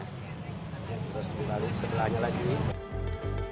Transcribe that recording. terus dibalik sebelahnya lagi